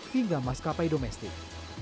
hingga maskapai domestik